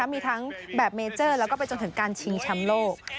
มีทั้งแบบเมเจอร์แล้วก็ไปจนถึงการชิงแชมป์โลก